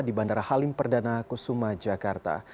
di bandara halim perdana kusuma jakarta